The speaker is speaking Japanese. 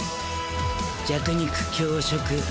弱肉強食。